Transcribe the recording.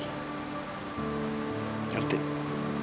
kalau lo bikin dia sedih atau nangis lagi